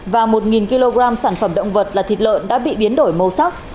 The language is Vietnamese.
và một kg sản phẩm động vật là thịt lợn đã bị biến đổi màu sắc